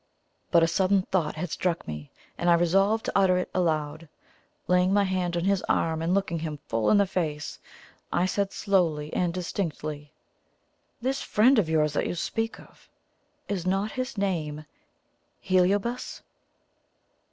But a sudden thought had struck me, and I resolved to utter it aloud. Laying my hand on his arm and looking him full in the face, I said slowly and distinctly: "This friend of yours that you speak of is not his name HELIOBAS?"